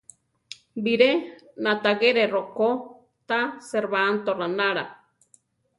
Biré natagere rokó ta, Serbanto ránara.